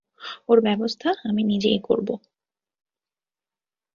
ওর ব্যাবস্থা আমি নিজেই করব।